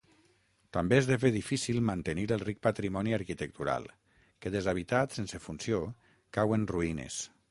També esdevé difícil mantenir el ric patrimoni arquitectural, que deshabitat, sense funció cau en ruïnes.